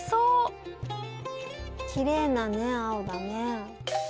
きれいな青だね。